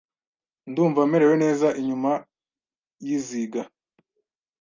Ndumva merewe neza inyuma yiziga.